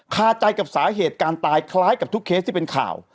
คาใจกับสาเหตุการณ์ตายคล้ายกับทุกเคสที่เป็นข่าว